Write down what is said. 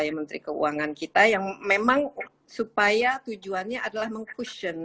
kementerian keuangan kita yang memang supaya tujuannya adalah meng cushion